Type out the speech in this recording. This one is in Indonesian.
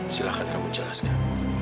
silakan kamu jelaskan